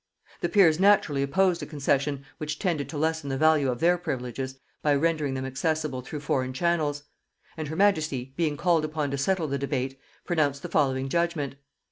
The peers naturally opposed a concession which tended to lessen the value of their privileges by rendering them accessible through foreign channels; and her majesty, being called upon to settle the debate, pronounced the following judgement.